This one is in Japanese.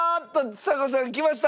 ちさ子さんきました！